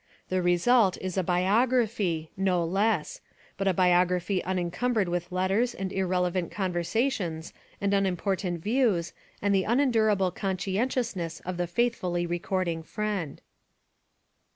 The result is a biog raphy, no less; but a biography unencumbered with/ letters and irrelevant conversations and unimportant views and the unendurable conscientiousness of the faithfully recording friend.